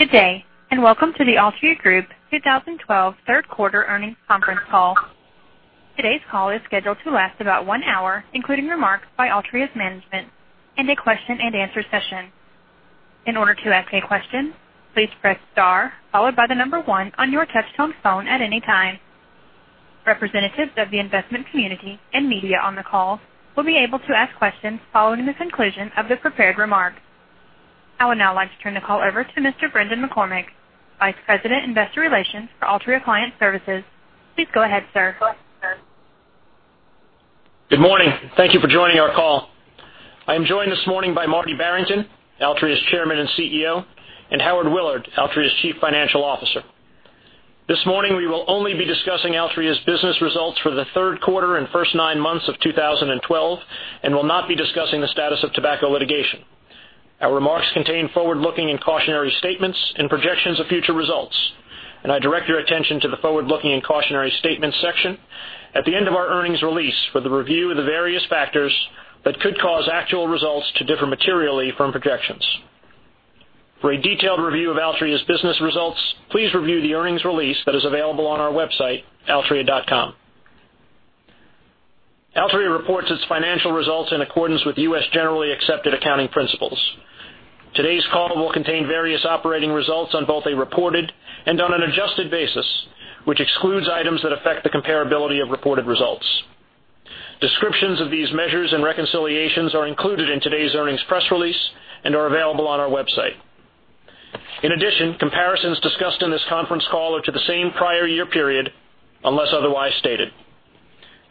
Good day, and welcome to the Altria Group 2012 third quarter earnings conference call. Today's call is scheduled to last about one hour, including remarks by Altria's management and a question and answer session. In order to ask a question, please press star followed by the number one on your touch-tone phone at any time. Representatives of the investment community and media on the call will be able to ask questions following the conclusion of the prepared remarks. I would now like to turn the call over to Mr. Brendan McCormick, Vice President Investor Relations for Altria Client Services. Please go ahead, sir. Good morning. Thank you for joining our call. I am joined this morning by Martin Barrington, Altria's Chairman and CEO, and Howard Willard, Altria's Chief Financial Officer. This morning, we will only be discussing Altria's business results for the third quarter and first nine months of 2012 and will not be discussing the status of tobacco litigation. I direct your attention to the forward-looking and cautionary statements section at the end of our earnings release for the review of the various factors that could cause actual results to differ materially from projections. For a detailed review of Altria's business results, please review the earnings release that is available on our website, altria.com. Altria reports its financial results in accordance with U.S. Generally Accepted Accounting Principles. Today's call will contain various operating results on both a reported and on an adjusted basis, which excludes items that affect the comparability of reported results. Descriptions of these measures and reconciliations are included in today's earnings press release and are available on our website. Comparisons discussed in this conference call are to the same prior year period, unless otherwise stated.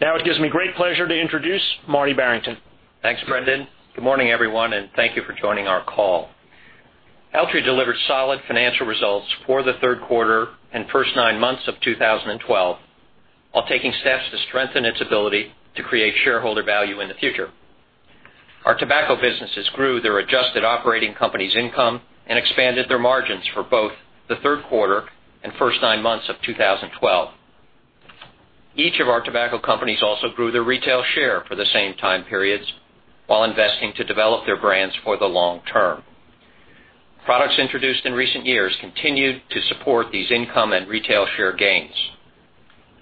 It gives me great pleasure to introduce Martin Barrington. Thanks, Brendan. Good morning, everyone, thank you for joining our call. Altria delivered solid financial results for the third quarter and first nine months of 2012, while taking steps to strengthen its ability to create shareholder value in the future. Our tobacco businesses grew their adjusted operating company's income and expanded their margins for both the third quarter and first nine months of 2012. Each of our tobacco companies also grew their retail share for the same time periods while investing to develop their brands for the long term. Products introduced in recent years continued to support these income and retail share gains.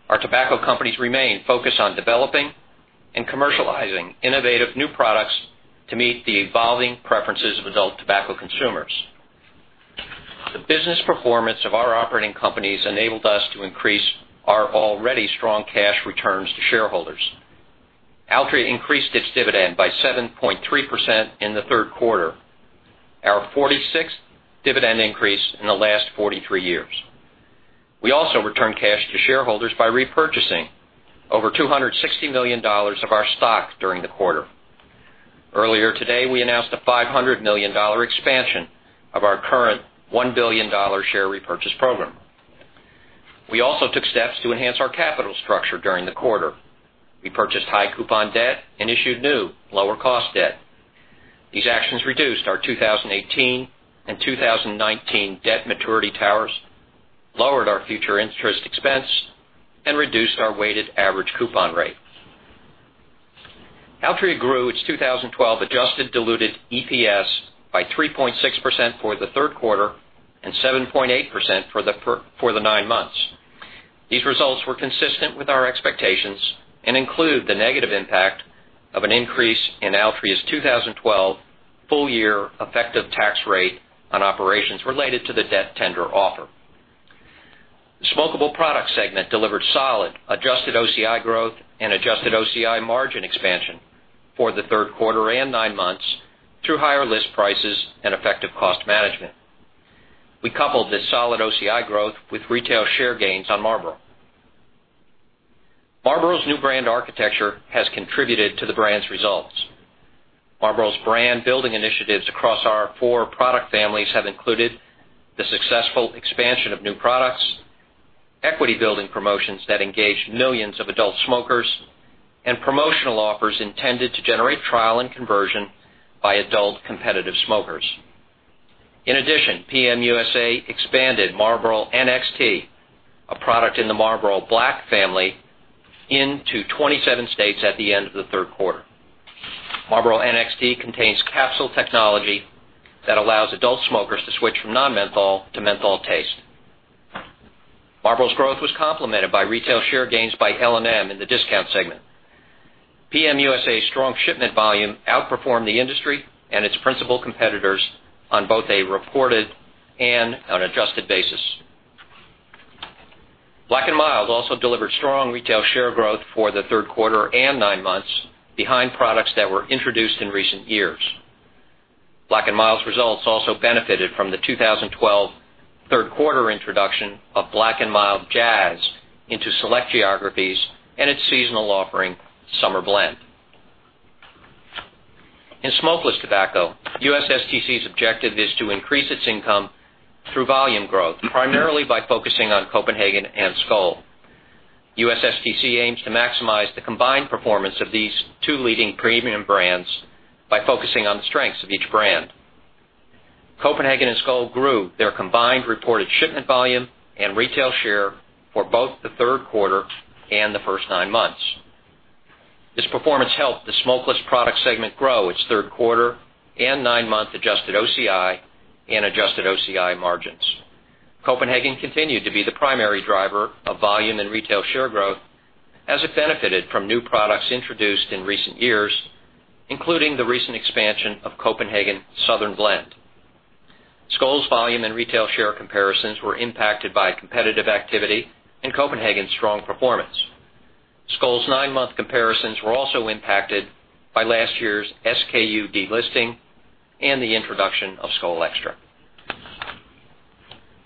Our tobacco companies remain focused on developing and commercializing innovative new products to meet the evolving preferences of adult tobacco consumers. The business performance of our operating companies enabled us to increase our already strong cash returns to shareholders. Altria increased its dividend by 7.3% in the third quarter, our 46th dividend increase in the last 43 years. We also returned cash to shareholders by repurchasing over $260 million of our stock during the quarter. Earlier today, we announced a $500 million expansion of our current $1 billion share repurchase program. We also took steps to enhance our capital structure during the quarter. We purchased high coupon debt and issued new, lower cost debt. These actions reduced our 2018 and 2019 debt maturity towers, lowered our future interest expense, and reduced our weighted average coupon rate. Altria grew its 2012 adjusted diluted EPS by 3.6% for the third quarter and 7.8% for the nine months. These results were consistent with our expectations and include the negative impact of an increase in Altria's 2012 full year effective tax rate on operations related to the debt tender offer. The smokable product segment delivered solid adjusted OCI growth and adjusted OCI margin expansion for the third quarter and nine months through higher list prices and effective cost management. We coupled this solid OCI growth with retail share gains on Marlboro. Marlboro's new brand architecture has contributed to the brand's results. Marlboro's brand-building initiatives across our four product families have included the successful expansion of new products, equity-building promotions that engage millions of adult smokers, and promotional offers intended to generate trial and conversion by adult competitive smokers. In addition, PM USA expanded Marlboro NXT, a product in the Marlboro Black family, into 27 states at the end of the third quarter. Marlboro NXT contains capsule technology that allows adult smokers to switch from non-menthol to menthol taste. Marlboro's growth was complemented by retail share gains by L&M in the discount segment. PM USA's strong shipment volume outperformed the industry and its principal competitors on both a reported and on adjusted basis. Black & Mild also delivered strong retail share growth for the third quarter and nine months behind products that were introduced in recent years. Black & Mild's results also benefited from the 2012 third quarter introduction of Black & Mild Jazz into select geographies and its seasonal offering, Summer Blend. In smokeless tobacco, USSTC's objective is to increase its income through volume growth, primarily by focusing on Copenhagen and Skoal. USSTC aims to maximize the combined performance of these two leading premium brands by focusing on the strengths of each brand. Copenhagen and Skoal grew their combined reported shipment volume and retail share for both the third quarter and the first nine months. This performance helped the smokeless product segment grow its third quarter and nine-month adjusted OCI and adjusted OCI margins. Copenhagen continued to be the primary driver of volume and retail share growth as it benefited from new products introduced in recent years, including the recent expansion of Copenhagen Southern Blend. Skoal's volume and retail share comparisons were impacted by competitive activity and Copenhagen's strong performance. Skoal's nine-month comparisons were also impacted by last year's SKU delisting and the introduction of Skoal X-tra.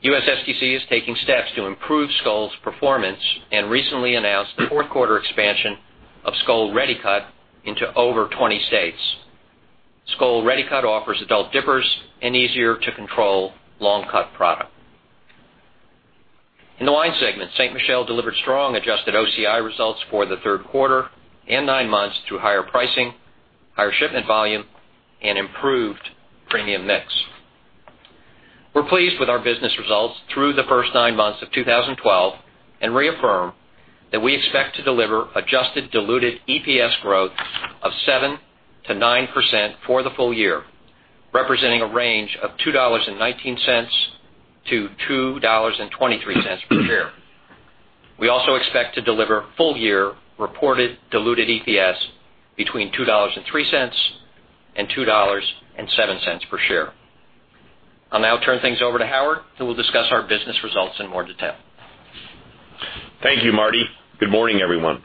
USSTC is taking steps to improve Skoal's performance and recently announced the fourth quarter expansion of Skoal Ready Cut into over 20 states. Skoal Ready Cut offers adult dippers an easier to control long cut product. In the wine segment, Ste. Michelle delivered strong adjusted OCI results for the third quarter and nine months through higher pricing, higher shipment volume, and improved premium mix. We're pleased with our business results through the first nine months of 2012 and reaffirm that we expect to deliver adjusted diluted EPS growth of 7%-9% for the full year, representing a range of $2.19-$2.23 per share. We also expect to deliver full-year reported diluted EPS between $2.03 and $2.07 per share. I'll now turn things over to Howard, who will discuss our business results in more detail. Thank you, Marty. Good morning, everyone.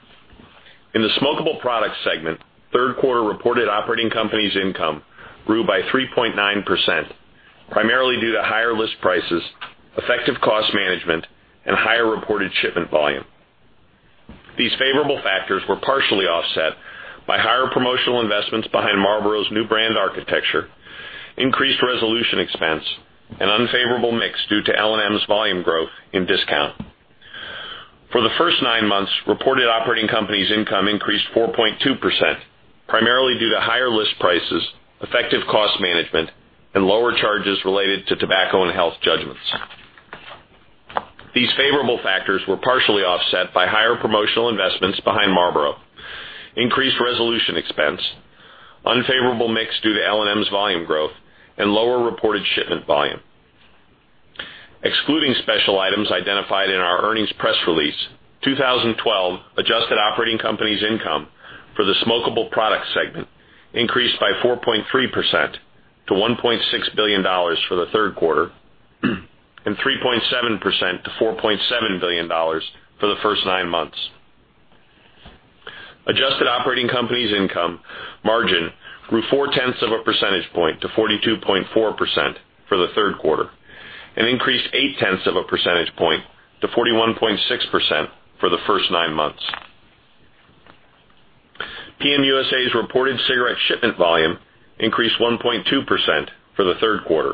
In the smokable product segment, third quarter reported operating companies' income grew by 3.9%, primarily due to higher list prices, effective cost management, and higher reported shipment volume. These favorable factors were partially offset by higher promotional investments behind Marlboro's new brand architecture, increased resolution expense, and unfavorable mix due to L&M's volume growth in discount. For the first nine months, reported operating companies' income increased 4.2%, primarily due to higher list prices, effective cost management, and lower charges related to tobacco and health judgments. These favorable factors were partially offset by higher promotional investments behind Marlboro, increased resolution expense, unfavorable mix due to L&M's volume growth, and lower reported shipment volume. Excluding special items identified in our earnings press release, 2012 adjusted operating companies' income for the smokable product segment increased by 4.3% to $1.6 billion for the third quarter and 3.7% to $4.7 billion for the first nine months. Adjusted operating companies' income margin grew four tenths of a percentage point to 42.4% for the third quarter and increased eight tenths of a percentage point to 41.6% for the first nine months. PM USA's reported cigarette shipment volume increased 1.2% for the third quarter,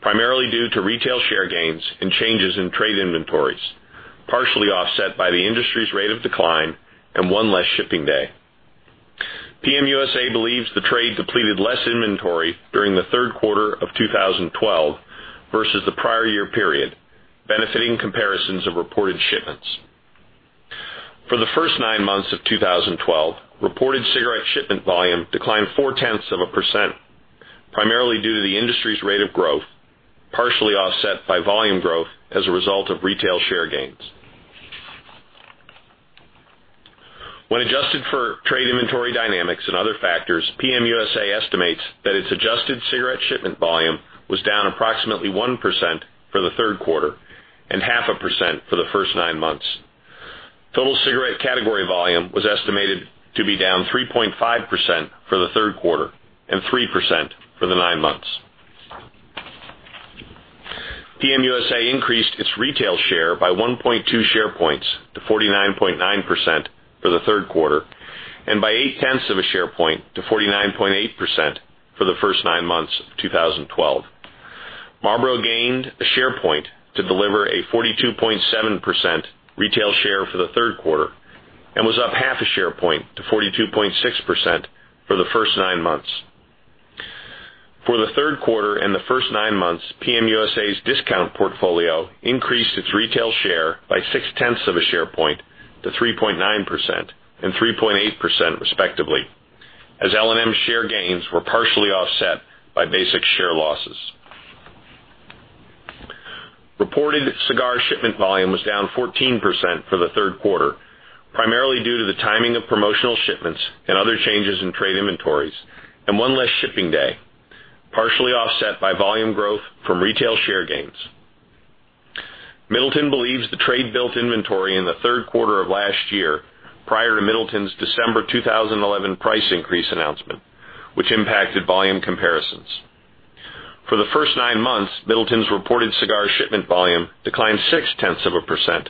primarily due to retail share gains and changes in trade inventories, partially offset by the industry's rate of decline and one less shipping day. PM USA believes the trade depleted less inventory during the third quarter of 2012 versus the prior year period, benefiting comparisons of reported shipments. For the first nine months of 2012, reported cigarette shipment volume declined four tenths of a percent, primarily due to the industry's rate of growth, partially offset by volume growth as a result of retail share gains. When adjusted for trade inventory dynamics and other factors, PM USA estimates that its adjusted cigarette shipment volume was down approximately 1% for the third quarter and half a percent for the first nine months. Total cigarette category volume was estimated to be down 3.5% for the third quarter and 3% for the nine months. PM USA increased its retail share by 1.2 share points to 49.9% for the third quarter and by eight tenths of a share point to 49.8% for the first nine months of 2012. Marlboro gained a share point to deliver a 42.7% retail share for the third quarter and was up half a share point to 42.6% for the first nine months. For the third quarter and the first nine months, PM USA's discount portfolio increased its retail share by six tenths of a share point to 3.9% and 3.8% respectively, as L&M share gains were partially offset by Basic share losses. Reported cigar shipment volume was down 14% for the third quarter, primarily due to the timing of promotional shipments and other changes in trade inventories and one less shipping day, partially offset by volume growth from retail share gains. Middleton believes the trade-built inventory in the third quarter of last year prior to Middleton's December 2011 price increase announcement, which impacted volume comparisons. For the first nine months, Middleton's reported cigar shipment volume declined six tenths of a percent,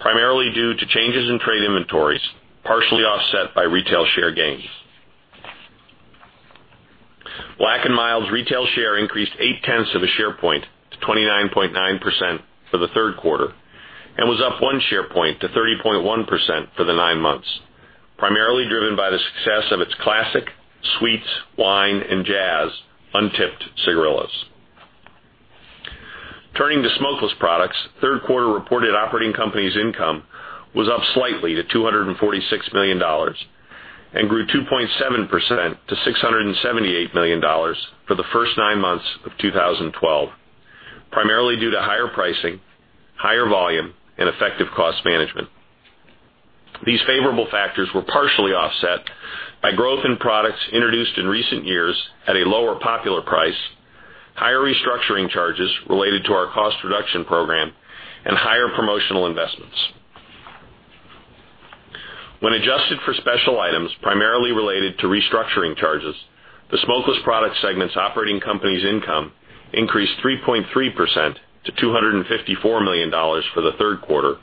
primarily due to changes in trade inventories, partially offset by retail share gains. Black & Mild's retail share increased eight tenths of a share point to 29.9% for the third quarter and was up one share point to 30.1% for the nine months, primarily driven by the success of its Classic, Sweets, Wine, and Jazz untipped cigarillos. Turning to smokeless products, third quarter reported operating company's income was up slightly to $246 million and grew 2.7% to $678 million for the first nine months of 2012, primarily due to higher pricing, higher volume, and effective cost management. These favorable factors were partially offset by growth in products introduced in recent years at a lower popular price, higher restructuring charges related to our cost reduction program, and higher promotional investments. When adjusted for special items primarily related to restructuring charges, the smokeless product segment's operating company's income increased 3.3% to $254 million for the third quarter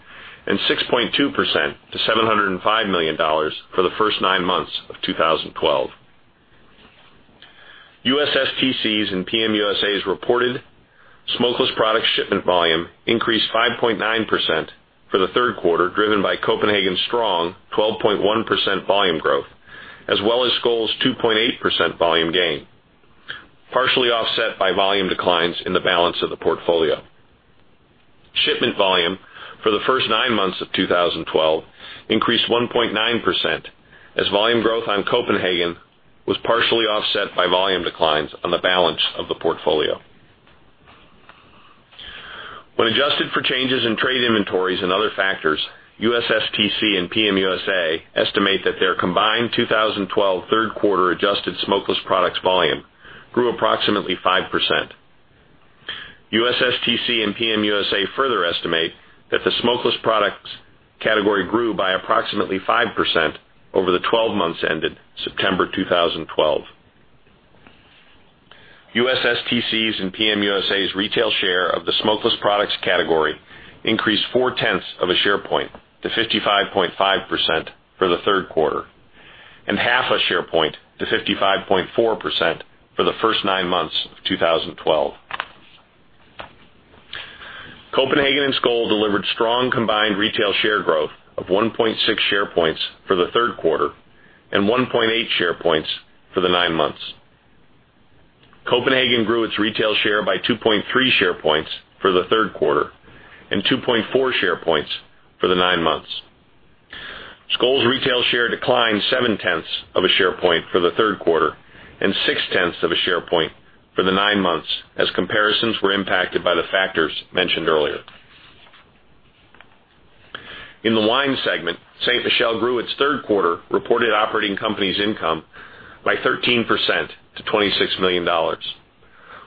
and 6.2% to $705 million for the first nine months of 2012. USSTC's and PM USA's reported smokeless product shipment volume increased 5.9% for the third quarter, driven by Copenhagen's strong 12.1% volume growth, as well as Skoal's 2.8% volume gain, partially offset by volume declines in the balance of the portfolio. Shipment volume for the first nine months of 2012 increased 1.9% as volume growth on Copenhagen was partially offset by volume declines on the balance of the portfolio. When adjusted for changes in trade inventories and other factors, USSTC and PM USA estimate that their combined 2012 third quarter adjusted smokeless products volume grew approximately 5%. USSTC and PM USA further estimate that the smokeless products category grew by approximately 5% over the 12 months ended September 2012. USSTC's and PM USA's retail share of the smokeless products category increased four-tenths of a share point to 55.5% for the third quarter, and half a share point to 55.4% for the first nine months of 2012. Copenhagen and Skoal delivered strong combined retail share growth of 1.6 share points for the third quarter and 1.8 share points for the nine months. Copenhagen grew its retail share by 2.3 share points for the third quarter and 2.4 share points for the nine months. Skoal's retail share declined seven-tenths of a share point for the third quarter and six-tenths of a share point for the nine months as comparisons were impacted by the factors mentioned earlier. In the wine segment, Ste. Michelle grew its third quarter reported operating company's income by 13% to $26 million.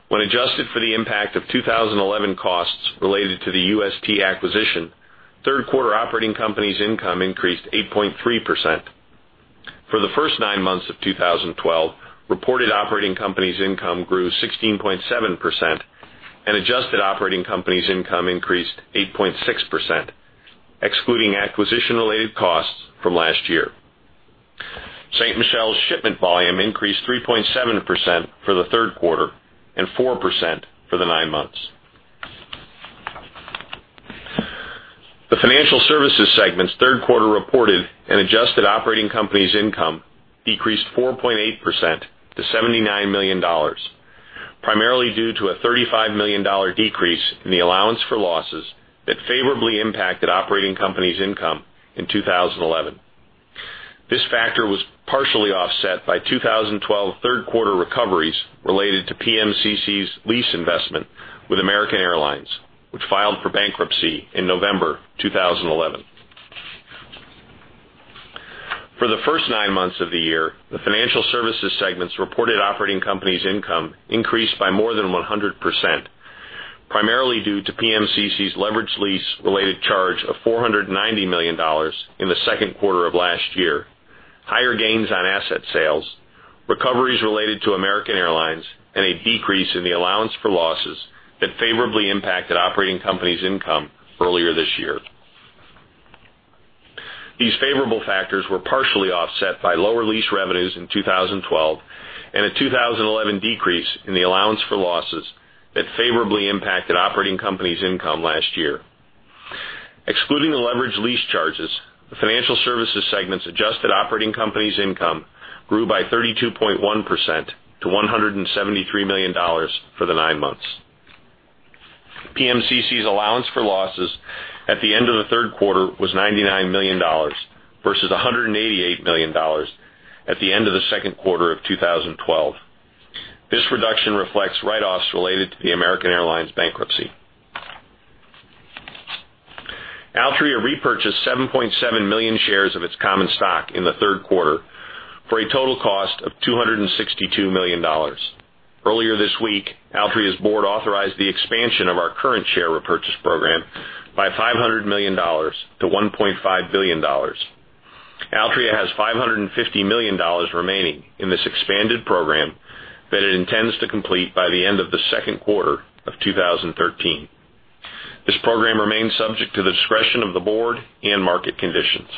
When adjusted for the impact of 2011 costs related to the UST acquisition, third quarter operating company's income increased 8.3%. For the first nine months of 2012, reported operating company's income grew 16.7% and adjusted operating company's income increased 8.6%, excluding acquisition-related costs from last year. Ste. Michelle's shipment volume increased 3.7% for the third quarter and 4% for the nine months. The financial services segment's third quarter reported and adjusted operating company's income decreased 4.8% to $79 million, primarily due to a $35 million decrease in the allowance for losses that favorably impacted operating company's income in 2011. This factor was partially offset by 2012 third-quarter recoveries related to PMCC's lease investment with American Airlines, which filed for bankruptcy in November 2011. For the first nine months of the year, the financial services segment's reported operating company's income increased by more than 100%, primarily due to PMCC's leveraged lease-related charge of $490 million in the second quarter of last year, higher gains on asset sales, recoveries related to American Airlines, and a decrease in the allowance for losses that favorably impacted operating company's income earlier this year. These favorable factors were partially offset by lower lease revenues in 2012 and a 2011 decrease in the allowance for losses that favorably impacted operating company's income last year. Excluding the leveraged lease charges, the financial services segment's adjusted operating company's income grew by 32.1% to $173 million for the nine months. PMCC's allowance for losses at the end of the third quarter was $99 million versus $188 million at the end of the second quarter of 2012. This reduction reflects write-offs related to the American Airlines bankruptcy. Altria repurchased 7.7 million shares of its common stock in the third quarter for a total cost of $262 million. Earlier this week, Altria's board authorized the expansion of our current share repurchase program by $500 million to $1.5 billion. Altria has $550 million remaining in this expanded program that it intends to complete by the end of the second quarter of 2013. This program remains subject to the discretion of the board and market conditions.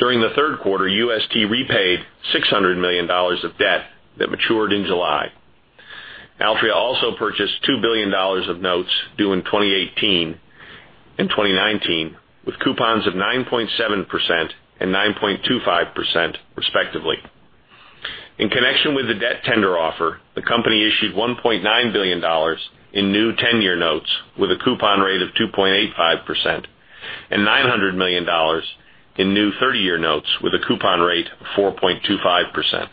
During the third quarter, UST repaid $600 million of debt that matured in July. Altria also purchased $2 billion of notes due in 2018 and 2019, with coupons of 9.7% and 9.25% respectively. In connection with the debt tender offer, the company issued $1.9 billion in new 10-year notes with a coupon rate of 2.85% and $900 million in new 30-year notes with a coupon rate of 4.25%.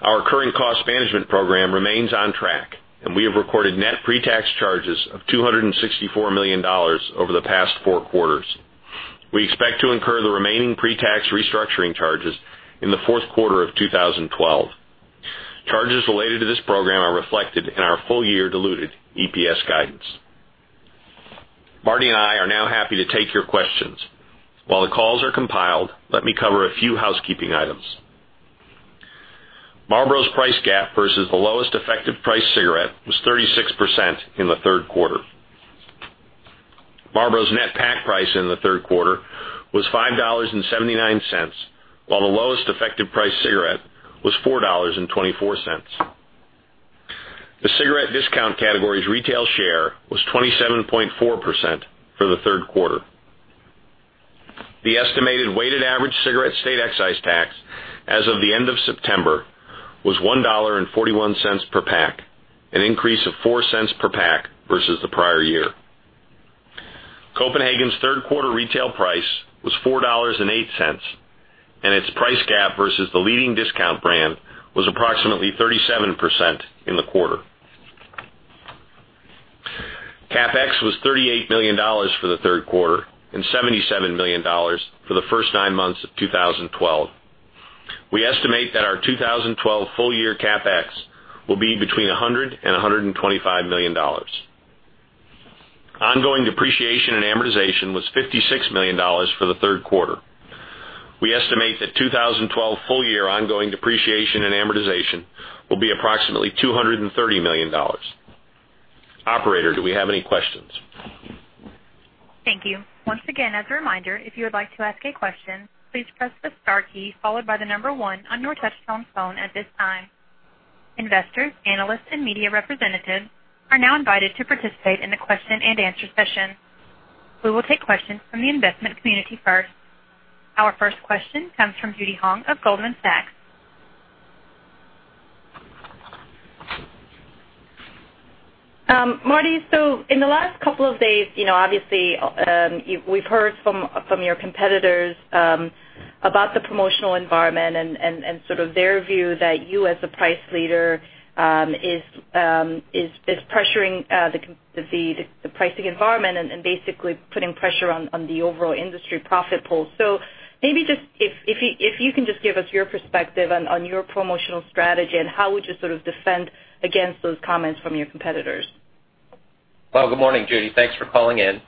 Our current cost management program remains on track, and we have recorded net pre-tax charges of $264 million over the past four quarters. We expect to incur the remaining pre-tax restructuring charges in the fourth quarter of 2012. Charges related to this program are reflected in our full year diluted EPS guidance. Marty and I are now happy to take your questions. While the calls are compiled, let me cover a few housekeeping items. Marlboro's price gap versus the lowest effective price cigarette was 36% in the third quarter. Marlboro's net pack price in the third quarter was $5.79, while the lowest effective price cigarette was $4.24. The cigarette discount category's retail share was 27.4% for the third quarter. The estimated weighted average cigarette state excise tax as of the end of September was $1.41 per pack, an increase of $0.04 per pack versus the prior year. Copenhagen's third quarter retail price was $4.08, and its price gap versus the leading discount brand was approximately 37% in the quarter. CapEx was $38 million for the third quarter and $77 million for the first nine months of 2012. We estimate that our 2012 full year CapEx will be between $100 million and $125 million. Ongoing depreciation and amortization was $56 million for the third quarter. We estimate that 2012 full year ongoing depreciation and amortization will be approximately $230 million. Operator, do we have any questions? Thank you. Once again, as a reminder, if you would like to ask a question, please press the star key followed by the number 1 on your touchtone phone at this time. Investors, analysts, and media representatives are now invited to participate in the question and answer session. We will take questions from the investment community first. Our first question comes from Judy Hong of Goldman Sachs. Marty, in the last couple of days, obviously, we've heard from your competitors about the promotional environment and sort of their view that you, as the price leader, are pressuring the pricing environment and basically putting pressure on the overall industry profit pool. Maybe if you can just give us your perspective on your promotional strategy, and how would you sort of defend against those comments from your competitors? Good morning, Judy. Thanks for calling in.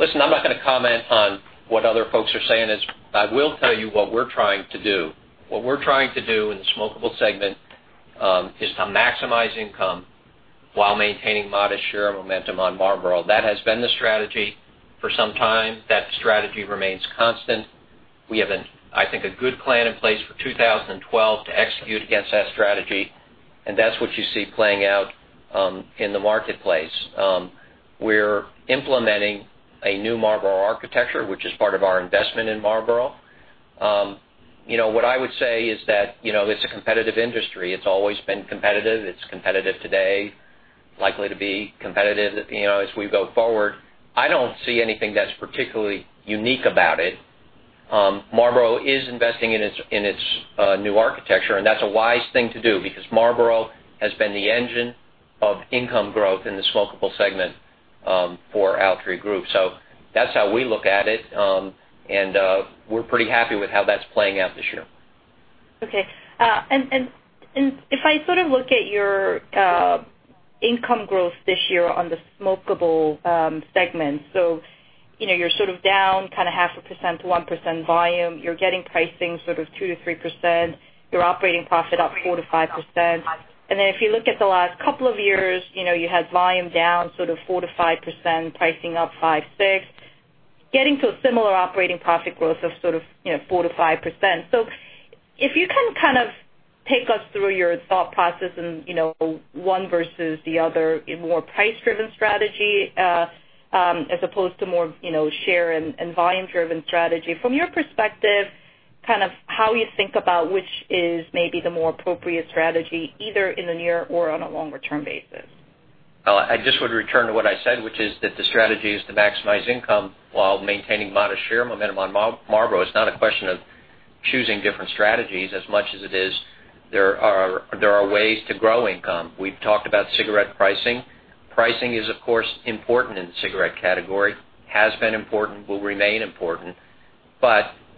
Listen, I'm not going to comment on what other folks are saying. I will tell you what we're trying to do. What we're trying to do in the smokeable segment is to maximize income while maintaining modest share and momentum on Marlboro. That has been the strategy for some time. That strategy remains constant. We have, I think, a good plan in place for 2012 to execute against that strategy, and that's what you see playing out in the marketplace. We're implementing a new Marlboro architecture, which is part of our investment in Marlboro. What I would say is that it's a competitive industry. It's always been competitive. It's competitive today, likely to be competitive as we go forward. I don't see anything that's particularly unique about it. Marlboro is investing in its new architecture. That's a wise thing to do because Marlboro has been the engine of income growth in the smokeable segment for Altria Group. That's how we look at it, and we're pretty happy with how that's playing out this year. Okay. If I sort of look at your income growth this year on the smokeable segment. You're sort of down kind of 0.5% to 1% volume. You're getting pricing sort of 2%-3%. Your operating profit up 4%-5%. If you look at the last couple of years, you had volume down sort of 4%-5%, pricing up 5%, 6%, getting to a similar operating profit growth of sort of 4%-5%. If you can kind of take us through your thought process and one versus the other, a more price-driven strategy as opposed to more share and volume-driven strategy. From your perspective, kind of how you think about which is maybe the more appropriate strategy, either in the near or on a longer-term basis. I just would return to what I said, which is that the strategy is to maximize income while maintaining modest share momentum on Marlboro. It's not a question of choosing different strategies as much as it is there are ways to grow income. We've talked about cigarette pricing. Pricing is, of course, important in the cigarette category, has been important, will remain important.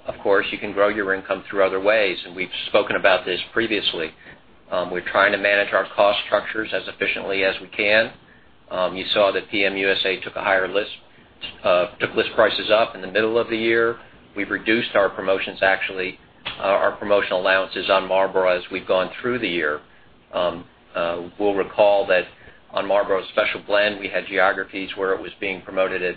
Of course, you can grow your income through other ways, and we've spoken about this previously. We're trying to manage our cost structures as efficiently as we can. You saw that PM USA took list prices up in the middle of the year. We've reduced our promotions, actually, our promotional allowances on Marlboro as we've gone through the year. We'll recall that on Marlboro Special Blends, we had geographies where it was being promoted at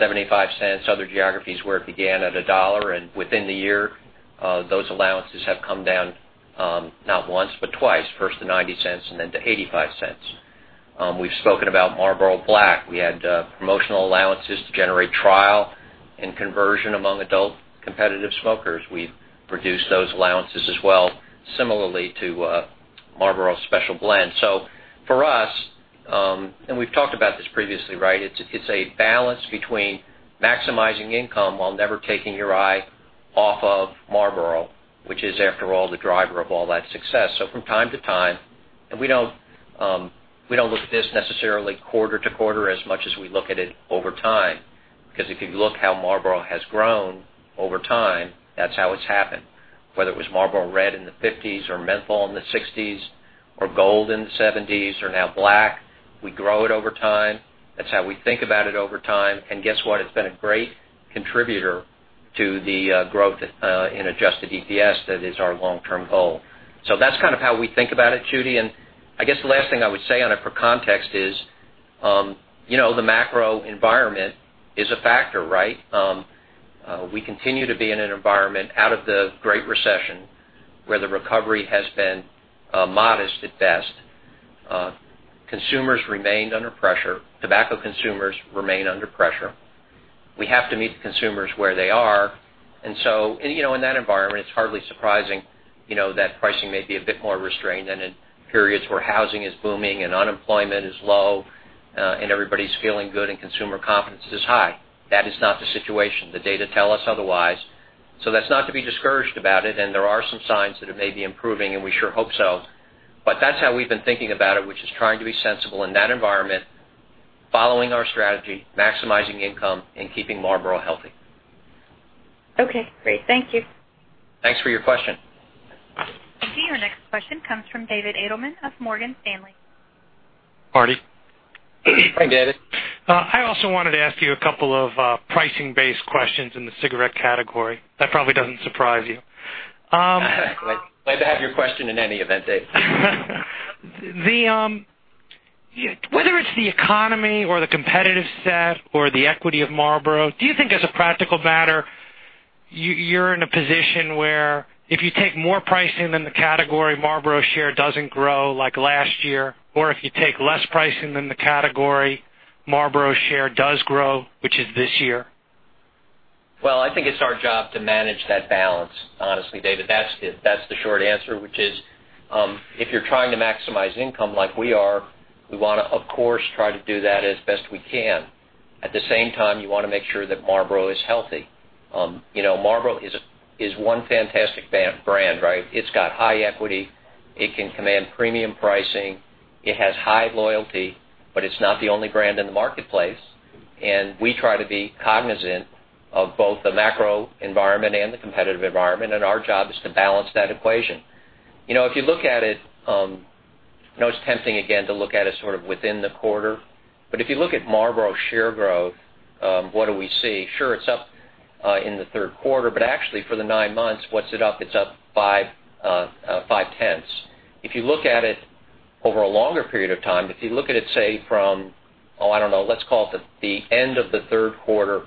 $0.75. Other geographies where it began at $1.00. Within the year, those allowances have come down, not once, but twice. First to $0.90 and then to $0.85. We've spoken about Marlboro Black. We had promotional allowances to generate trial and conversion among adult competitive smokers. We've reduced those allowances as well, similarly to Marlboro Special Blends. For us, and we've talked about this previously. It's a balance between maximizing income while never taking your eye off of Marlboro, which is, after all, the driver of all that success. From time to time, we don't look at this necessarily quarter to quarter as much as we look at it over time, because if you look how Marlboro has grown over time, that's how it's happened. Whether it was Marlboro Red in the 1950s or Menthol in the 1960s or Marlboro Gold in the 1970s or now Marlboro Black. We grow it over time. That's how we think about it over time. Guess what? It's been a great contributor to the growth in adjusted EPS. That is our long-term goal. That's kind of how we think about it, Judy. I guess the last thing I would say on it for context is, the macro environment is a factor. We continue to be in an environment out of the Great Recession, where the recovery has been modest at best. Consumers remained under pressure. Tobacco consumers remain under pressure. We have to meet the consumers where they are. In that environment, it's hardly surprising that pricing may be a bit more restrained than in periods where housing is booming and unemployment is low, and everybody's feeling good and consumer confidence is high. That is not the situation. The data tell us otherwise. That's not to be discouraged about it, and there are some signs that it may be improving, and we sure hope so. That's how we've been thinking about it, which is trying to be sensible in that environment, following our strategy, maximizing income, and keeping Marlboro healthy. Okay, great. Thank you. Thanks for your question. Your next question comes from David Adelman of Morgan Stanley. Marty? Hi, David. I also wanted to ask you a couple of pricing-based questions in the cigarette category. That probably doesn't surprise you. Glad to have your question in any event, Dave. Whether it's the economy or the competitive set or the equity of Marlboro, do you think as a practical matter, you're in a position where if you take more pricing than the category, Marlboro share doesn't grow like last year? Or if you take less pricing than the category, Marlboro share does grow, which is this year? I think it's our job to manage that balance honestly, David. That's it. That's the short answer, which is, if you're trying to maximize income like we are, we want to, of course, try to do that as best we can. At the same time, you want to make sure that Marlboro is healthy. Marlboro is one fantastic brand. It's got high equity. It can command premium pricing. It has high loyalty, but it's not the only brand in the marketplace, and we try to be cognizant of both the macro environment and the competitive environment, and our job is to balance that equation. If you look at it's tempting, again, to look at it sort of within the quarter, but if you look at Marlboro share growth, what do we see? Sure, it's up in the third quarter, but actually for the nine months, what's it up? It's up five-tenths. If you look at it over a longer period of time, if you look at it, say, from, oh, I don't know, let's call it the end of the third quarter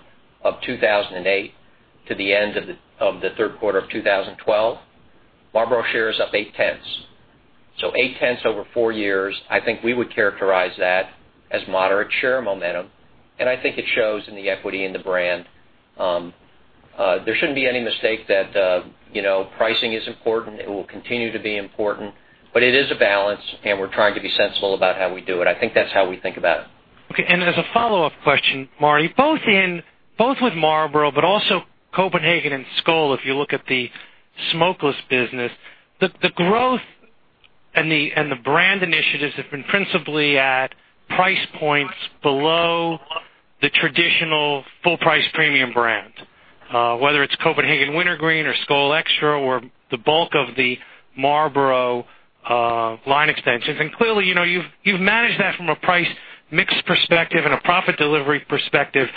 of 2008 to the end of the third quarter of 2012, Marlboro share is up 0.8. 0.8 over four years. I think we would characterize that as moderate share momentum, and I think it shows in the equity in the brand. There shouldn't be any mistake that pricing is important. It will continue to be important, but it is a balance, and we're trying to be sensible about how we do it. I think that's how we think about it. Okay, as a follow-up question, Marty, both with Marlboro, but also Copenhagen and Skoal, if you look at the smokeless business, the growth and the brand initiatives have been principally at price points below the traditional full price premium brand. Whether it's Copenhagen Wintergreen or Skoal Xtra or the bulk of the Marlboro line extensions. Clearly, you've managed that from a price mix perspective and a profit delivery perspective.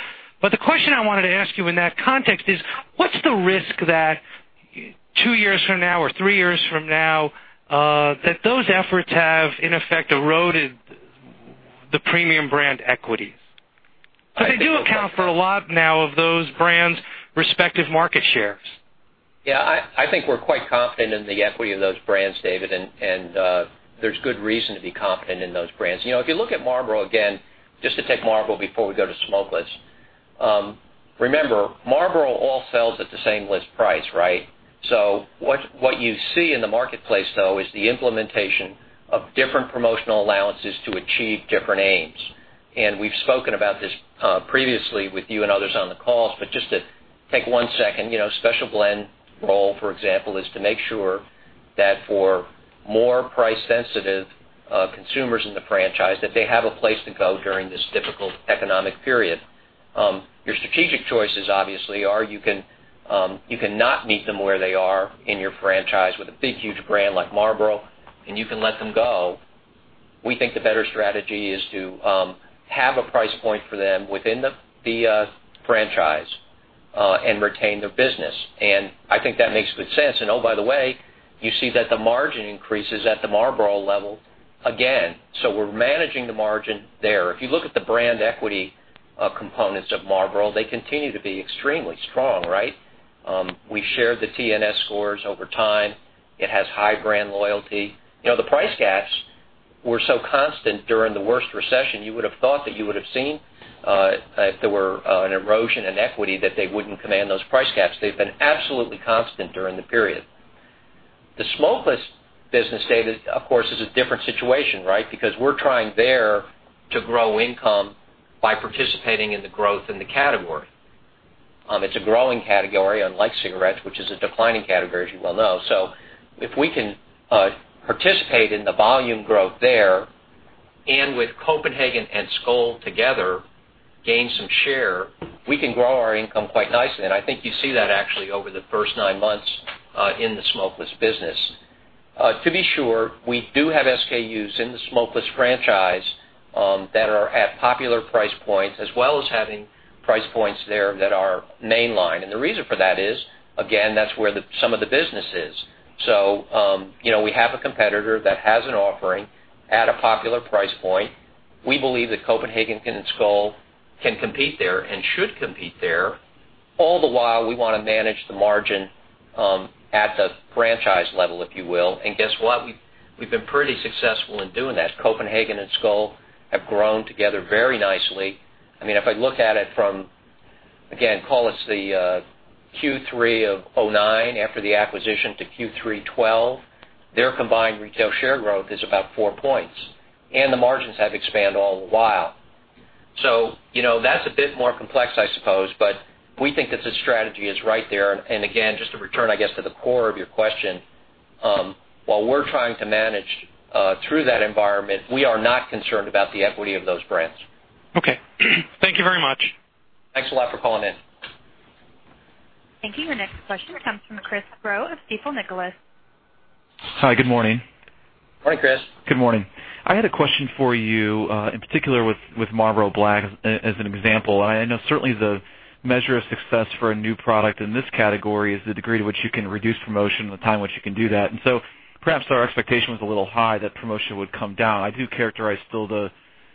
The question I wanted to ask you in that context is, what's the risk that two years from now or three years from now, that those efforts have in effect eroded the premium brand equities? Because they do account for a lot now of those brands' respective market shares. Yeah, I think we're quite confident in the equity of those brands, David, and there's good reason to be confident in those brands. If you look at Marlboro, again, just to take Marlboro before we go to smokeless. Remember, Marlboro all sells at the same list price. What you see in the marketplace, though, is the implementation of different promotional allowances to achieve different aims. We've spoken about this previously with you and others on the calls, but just to take one second. Special Blends role, for example, is to make sure that for more price sensitive consumers in the franchise, that they have a place to go during this difficult economic period. Your strategic choices obviously are you can not meet them where they are in your franchise with a big, huge brand like Marlboro, and you can let them go. We think the better strategy is to have a price point for them within the franchise. Retain their business. I think that makes good sense. Oh, by the way, you see that the margin increases at the Marlboro level again. We're managing the margin there. If you look at the brand equity of components of Marlboro, they continue to be extremely strong, right? We shared the TNS scores over time. It has high brand loyalty. The price gaps were so constant during the worst recession, you would have thought that you would have seen, if there were an erosion in equity, that they wouldn't command those price gaps. They've been absolutely constant during the period. The smokeless business data, of course, is a different situation, right? Because we're trying there to grow income by participating in the growth in the category. It's a growing category, unlike cigarettes, which is a declining category, as you well know. If we can participate in the volume growth there, and with Copenhagen and Skoal together gain some share, we can grow our income quite nicely. I think you see that actually over the first nine months in the smokeless business. To be sure, we do have SKUs in the smokeless franchise that are at popular price points, as well as having price points there that are mainline. The reason for that is, again, that's where some of the business is. We have a competitor that has an offering at a popular price point. We believe that Copenhagen and Skoal can compete there and should compete there. All the while, we want to manage the margin at the franchise level, if you will. Guess what? We've been pretty successful in doing that. Copenhagen and Skoal have grown together very nicely. If I look at it from, again, call it the Q3 of 2009 after the acquisition to Q3 2012, their combined retail share growth is about four points, and the margins have expanded all the while. That's a bit more complex, I suppose, but we think that the strategy is right there. Again, just to return, I guess, to the core of your question, while we're trying to manage through that environment, we are not concerned about the equity of those brands. Okay. Thank you very much. Thanks a lot for calling in. Thank you. Your next question comes from Chris Growe of Stifel Nicolaus. Hi, good morning. Morning, Chris. Good morning. I had a question for you, in particular with Marlboro Black as an example. I know certainly the measure of success for a new product in this category is the degree to which you can reduce promotion and the time in which you can do that. Perhaps our expectation was a little high that promotion would come down. I do characterize still the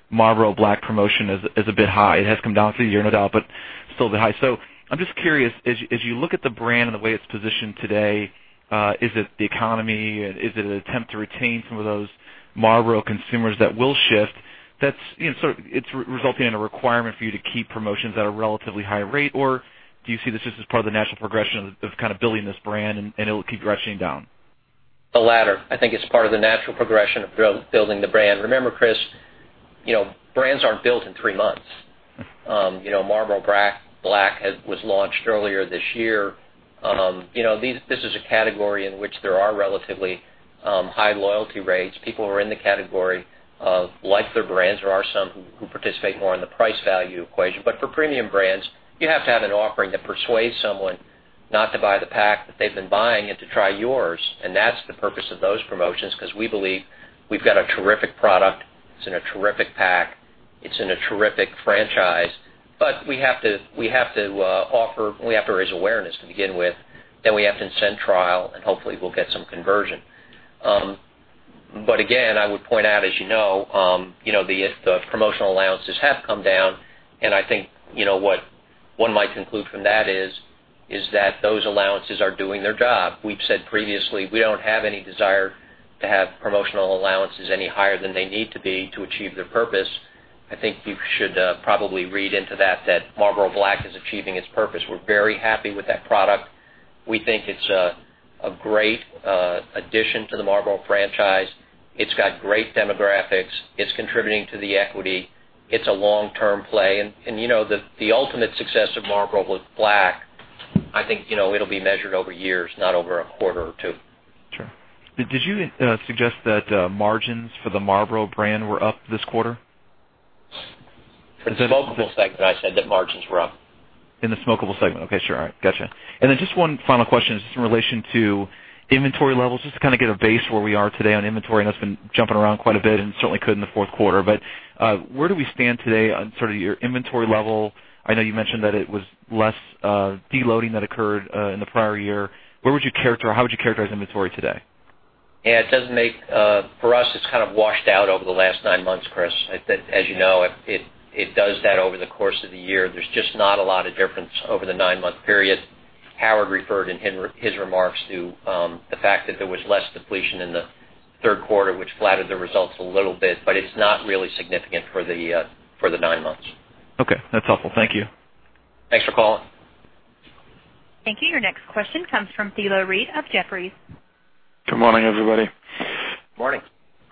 Marlboro Black promotion as a bit high. It has come down through the year, no doubt, still a bit high. I'm just curious, as you look at the brand and the way it's positioned today, is it the economy? Is it an attempt to retain some of those Marlboro consumers that will shift? It's resulting in a requirement for you to keep promotions at a relatively high rate, or do you see this just as part of the natural progression of kind of building this brand, and it will keep rushing down? The latter. I think it's part of the natural progression of building the brand. Remember, Chris, brands aren't built in three months. Marlboro Black was launched earlier this year. This is a category in which there are relatively high loyalty rates. People who are in the category like their brands. There are some who participate more in the price-value equation. For premium brands, you have to have an offering that persuades someone not to buy the pack that they've been buying and to try yours, that's the purpose of those promotions, because we believe we've got a terrific product, it's in a terrific pack, it's in a terrific franchise. We have to raise awareness to begin with, we have to incent trial, hopefully we'll get some conversion. Again, I would point out as you know, the promotional allowances have come down, and I think what one might conclude from that is that those allowances are doing their job. We've said previously, we don't have any desire to have promotional allowances any higher than they need to be to achieve their purpose. I think you should probably read into that Marlboro Black is achieving its purpose. We're very happy with that product. We think it's a great addition to the Marlboro franchise. It's got great demographics. It's contributing to the equity. It's a long-term play, and the ultimate success of Marlboro Black, I think it'll be measured over years, not over a quarter or two. Sure. Did you suggest that margins for the Marlboro brand were up this quarter? In the smokable segment I said that margins were up. In the smokable segment. Okay, sure. All right. Gotcha. Then just one final question, just in relation to inventory levels, just to kind of get a base where we are today on inventory. I know it's been jumping around quite a bit and certainly could in the fourth quarter. Where do we stand today on sort of your inventory level? I know you mentioned that it was less deloading that occurred in the prior year. How would you characterize inventory today? For us, it's kind of washed out over the last nine months, Chris. As you know, it does that over the course of the year. There's just not a lot of difference over the nine-month period. Howard referred in his remarks to the fact that there was less depletion in the third quarter, which flattered the results a little bit, but it's not really significant for the nine months. That's helpful. Thank you. Thanks for calling. Thank you. Your next question comes from Thilo Wrede of Jefferies. Good morning, everybody. Morning.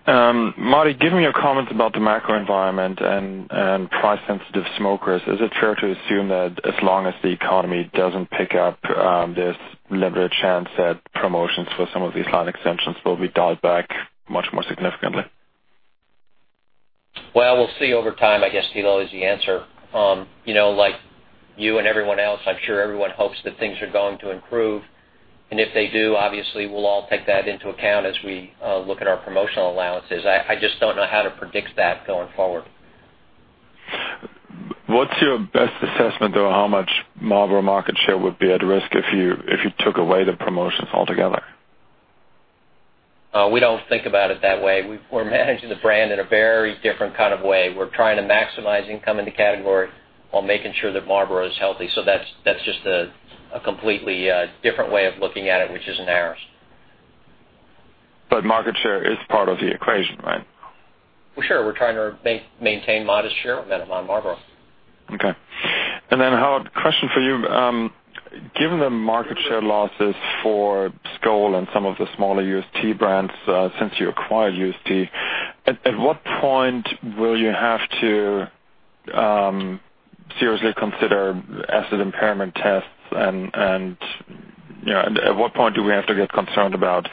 Marty, give me your comments about the macro environment and price-sensitive smokers. Is it fair to assume that as long as the economy doesn't pick up, there's little chance that promotions for some of these line extensions will be dialed back much more significantly? Well, we'll see over time, I guess, Thilo, is the answer. Like you and everyone else, I'm sure everyone hopes that things are going to improve. If they do, obviously, we'll all take that into account as we look at our promotional allowances. I just don't know how to predict that going forward. What's your best assessment, though, how much Marlboro market share would be at risk if you took away the promotions altogether? We don't think about it that way. We're managing the brand in a very different kind of way. We're trying to maximize income in the category while making sure that Marlboro is healthy. That's just a completely different way of looking at it, which isn't ours. Market share is part of the equation, right? Well, sure. We're trying to maintain modest share momentum on Marlboro. Okay. Howard, question for you. Given the market share losses for Skoal and some of the smaller UST brands since you acquired UST, at what point will you have to seriously consider asset impairment tests and at what point do we have to get concerned about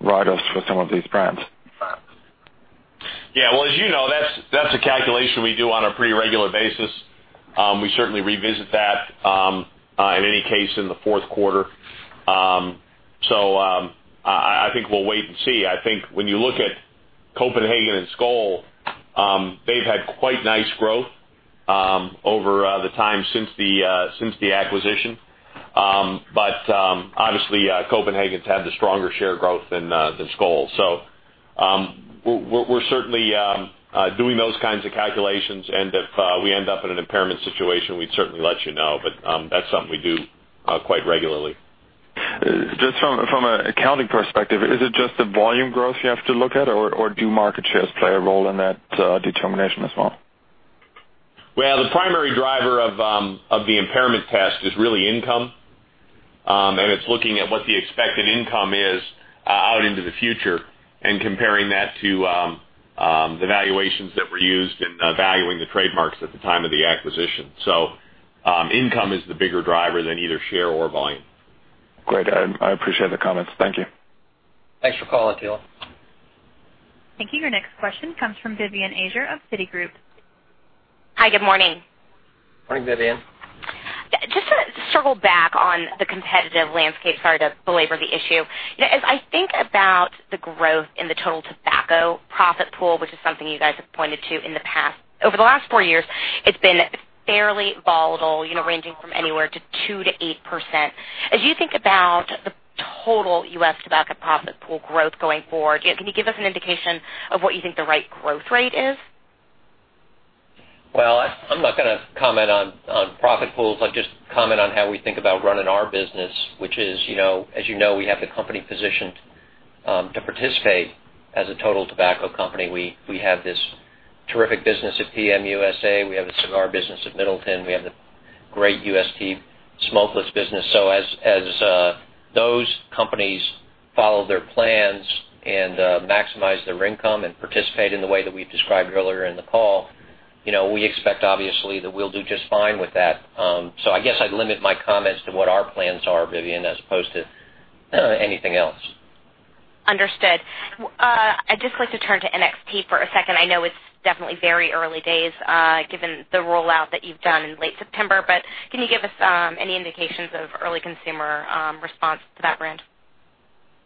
write-offs for some of these brands? Yeah. Well, as you know, that's a calculation we do on a pretty regular basis. We certainly revisit that, in any case, in the fourth quarter. I think we'll wait and see. When you look at Copenhagen and Skoal, they've had quite nice growth over the time since the acquisition. Obviously, Copenhagen's had the stronger share growth than Skoal. We're certainly doing those kinds of calculations, and if we end up in an impairment situation, we'd certainly let you know. That's something we do quite regularly. Just from an accounting perspective, is it just the volume growth you have to look at, or do market shares play a role in that determination as well? Well, the primary driver of the impairment test is really income. It's looking at what the expected income is out into the future and comparing that to the valuations that were used in valuing the trademarks at the time of the acquisition. Income is the bigger driver than either share or volume. Great. I appreciate the comments. Thank you. Thanks for calling, Thilo. Thank you. Your next question comes from Vivien Azer of Citigroup. Hi, good morning. Morning, Vivien. Just to circle back on the competitive landscape, sorry to belabor the issue. As I think about the growth in the total tobacco profit pool, which is something you guys have pointed to in the past. Over the last four years, it's been fairly volatile, ranging from anywhere to 2%-8%. As you think about the total U.S. tobacco profit pool growth going forward, can you give us an indication of what you think the right growth rate is? Well, I'm not going to comment on profit pools. I'll just comment on how we think about running our business, which is, as you know, we have the company positioned to participate as a total tobacco company. We have this terrific business at PM USA. We have a cigar business at Middleton. We have the great UST smokeless business. As those companies follow their plans and maximize their income and participate in the way that we've described earlier in the call, we expect, obviously, that we'll do just fine with that. I guess I'd limit my comments to what our plans are, Vivien, as opposed to anything else. Understood. I'd just like to turn to NXT for a second. I know it's definitely very early days, given the rollout that you've done in late September, can you give us any indications of early consumer response to that brand?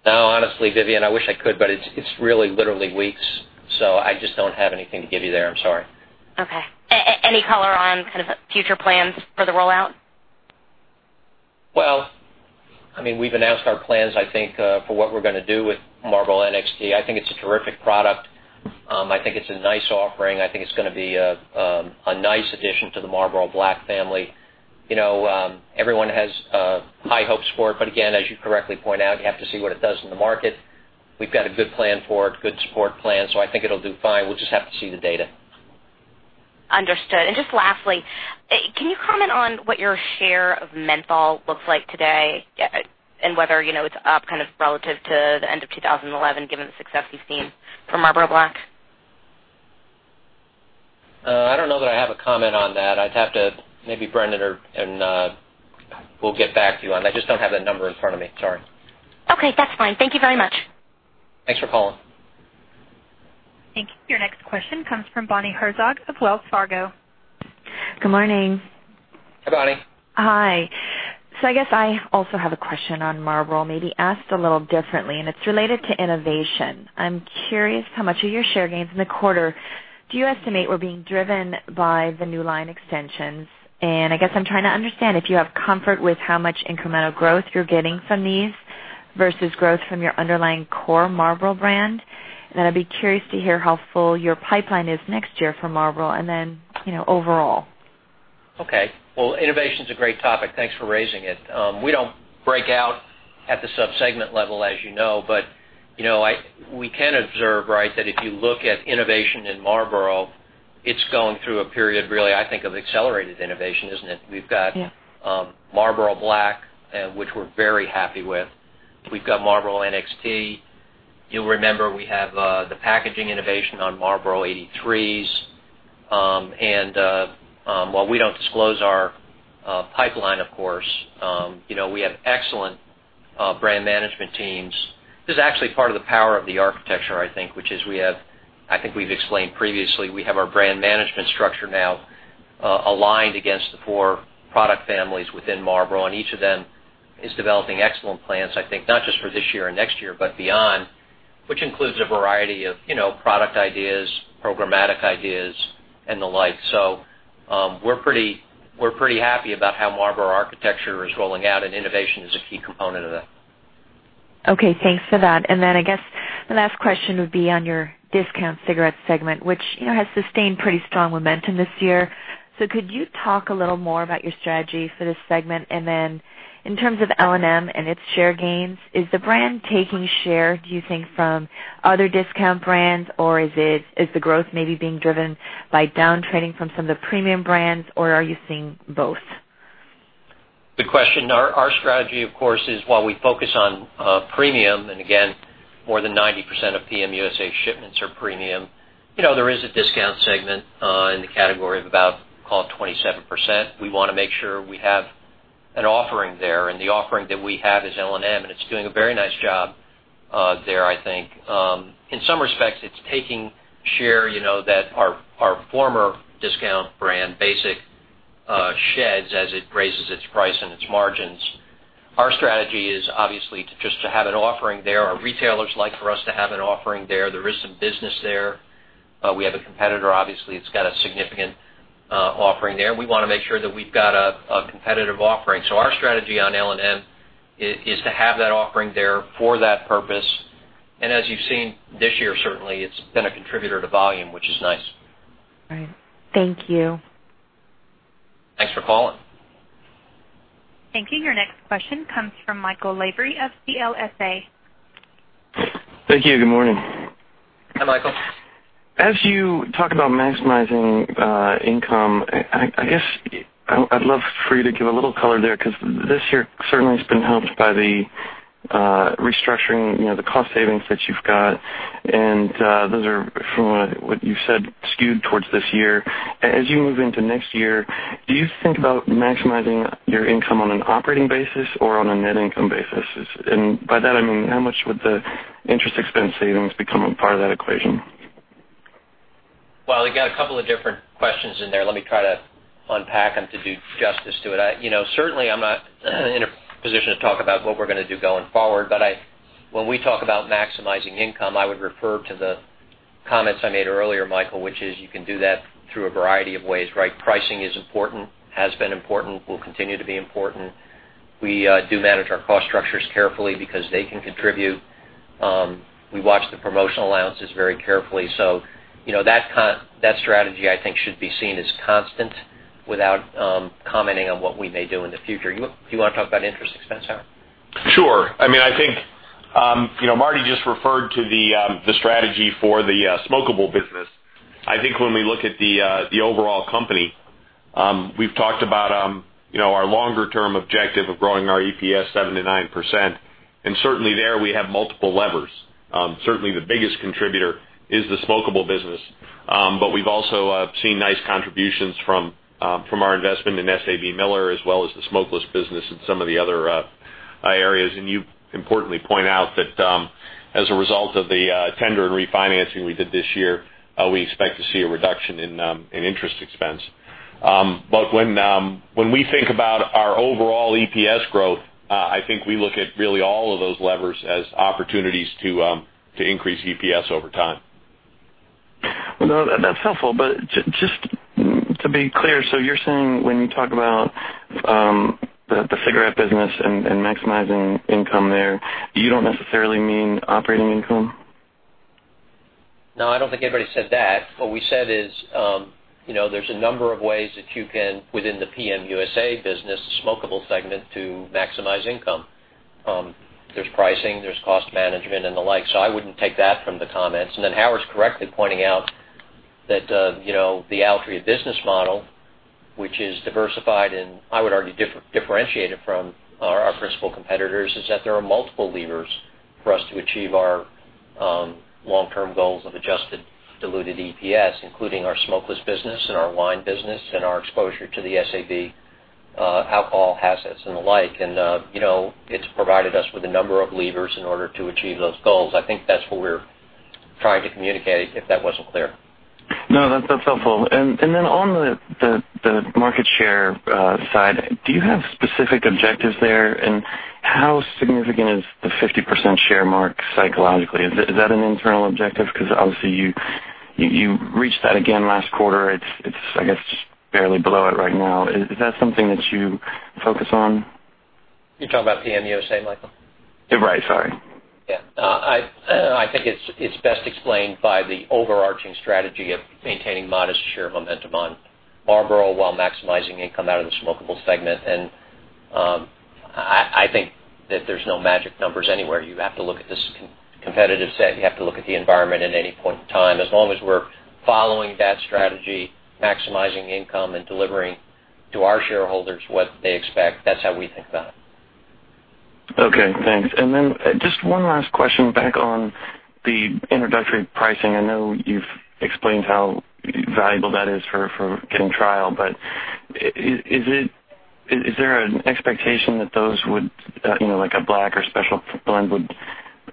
No, honestly, Vivien, I wish I could, but it's really literally weeks. I just don't have anything to give you there. I'm sorry. Okay. Any color on kind of future plans for the rollout? Well, we've announced our plans, I think, for what we're going to do with Marlboro NXT. I think it's a terrific product. I think it's a nice offering. I think it's going to be a nice addition to the Marlboro Black family. Everyone has high hopes for it, but again, as you correctly point out, you have to see what it does in the market. We've got a good plan for it, good support plan, so I think it'll do fine. We'll just have to see the data. Understood. Just lastly, can you comment on what your share of menthol looks like today and whether it's up kind of relative to the end of 2011, given the success you've seen from Marlboro Black? I don't know that I have a comment on that. I'd have to, maybe Brendan and we'll get back to you on that. I just don't have that number in front of me. Sorry. Okay, that's fine. Thank you very much. Thanks for calling. Thank you. Your next question comes from Bonnie Herzog of Wells Fargo. Good morning. Hi, Bonnie. Hi. I guess I also have a question on Marlboro, maybe asked a little differently, and it's related to innovation. I'm curious how much of your share gains in the quarter do you estimate were being driven by the new line extensions? I guess I'm trying to understand if you have comfort with how much incremental growth you're getting from these versus growth from your underlying core Marlboro brand. I'd be curious to hear how full your pipeline is next year for Marlboro and then overall. Well, innovation's a great topic. Thanks for raising it. We don't break out at the sub-segment level, as you know, but we can observe, right, that if you look at innovation in Marlboro, it's going through a period, really, I think, of accelerated innovation, isn't it? Yeah. We've got Marlboro Black, which we're very happy with. We've got Marlboro NXT. You'll remember we have the packaging innovation on Marlboro 83s. While we don't disclose our pipeline, of course, we have excellent brand management teams. This is actually part of the power of the architecture, I think, which is we have, I think we've explained previously, we have our brand management structure now aligned against the four product families within Marlboro, and each of them is developing excellent plans, I think, not just for this year and next year, but beyond, which includes a variety of product ideas, programmatic ideas, and the like. We're pretty happy about how Marlboro architecture is rolling out, and innovation is a key component of that. Okay, thanks for that. I guess the last question would be on your discount cigarette segment, which has sustained pretty strong momentum this year. Could you talk a little more about your strategy for this segment? In terms of L&M and its share gains, is the brand taking share, do you think, from other discount brands, or is the growth maybe being driven by downtrending from some of the premium brands, or are you seeing both? Good question. Our strategy, of course, is while we focus on premium, and again, more than 90% of PM USA shipments are premium, there is a discount segment in the category of about call it 27%. We want to make sure we have an offering there, and the offering that we have is L&M, and it's doing a very nice job there, I think. In some respects, it's taking share that our former discount brand Basic sheds as it raises its price and its margins. Our strategy is obviously just to have an offering there. Our retailers like for us to have an offering there. There is some business there. We have a competitor, obviously, that's got a significant offering there. We want to make sure that we've got a competitive offering. Our strategy on L&M is to have that offering there for that purpose. As you've seen this year, certainly, it's been a contributor to volume, which is nice. All right. Thank you. Thanks for calling. Thank you. Your next question comes from Michael Lavery of CLSA. Thank you. Good morning. Hi, Michael. As you talk about maximizing income, I guess I'd love for you to give a little color there, because this year certainly has been helped by the restructuring, the cost savings that you've got, and those are, from what you said, skewed towards this year. As you move into next year, do you think about maximizing your income on an operating basis or on a net income basis? By that I mean how much would the interest expense savings become a part of that equation? You got a couple of different questions in there. Let me try to unpack them to do justice to it. Certainly, I'm not in a position to talk about what we're going to do going forward. When we talk about maximizing income, I would refer to the comments I made earlier, Michael, which is you can do that through a variety of ways, right? Pricing is important, has been important, will continue to be important. We do manage our cost structures carefully because they can contribute. We watch the promotional allowances very carefully. That strategy, I think, should be seen as constant without commenting on what we may do in the future. Do you want to talk about interest expense, Howard? Sure. I think Marty just referred to the strategy for the smokable business. I think when we look at the overall company, we've talked about our longer-term objective of growing our EPS 7%-9% and certainly there we have multiple levers. Certainly, the biggest contributor is the smokable business. We've also seen nice contributions from our investment in SABMiller as well as the smokeless business and some of the other areas. You importantly point out that as a result of the tender and refinancing we did this year, we expect to see a reduction in interest expense. When we think about our overall EPS growth, I think we look at really all of those levers as opportunities to increase EPS over time. That's helpful. Just to be clear, you're saying when you talk about the cigarette business and maximizing income there, you don't necessarily mean operating income? I don't think anybody said that. What we said is there's a number of ways that you can, within the PM USA business, the smokable segment, to maximize income. There's pricing, there's cost management, and the like. I wouldn't take that from the comments. Howard's correctly pointing out that the Altria business model, which is diversified and I would argue differentiated from our principal competitors, is that there are multiple levers for us to achieve our long-term goals of adjusted diluted EPS, including our smokeless business and our wine business and our exposure to the SAB alcohol assets and the like. It's provided us with a number of levers in order to achieve those goals. I think that's what we're trying to communicate, if that wasn't clear. That's helpful. On the market share side, do you have specific objectives there? How significant is the 50% share mark psychologically? Is that an internal objective? Obviously you reached that again last quarter. It's, I guess, just barely below it right now. Is that something that you focus on? You're talking about PM USA, Michael? Right. Sorry. Yeah. I think it's best explained by the overarching strategy of maintaining modest share momentum on Marlboro while maximizing income out of the smokable segment. I think that there's no magic numbers anywhere. You have to look at this competitive set. You have to look at the environment at any point in time. As long as we're following that strategy, maximizing income, and delivering to our shareholders what they expect, that's how we think about it. Okay, thanks. Then just one last question back on the introductory pricing. I know you've explained how valuable that is for getting trial. Is there an expectation that those would, like a Marlboro Black or Marlboro Special Blends, would